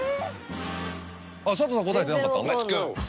あっ佐藤さん答えてなかった？